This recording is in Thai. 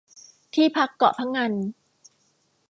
ที่พักเกาะพะงัน